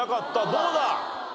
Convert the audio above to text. どうだ？